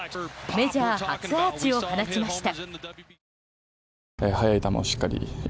メジャー初アーチを放ちました。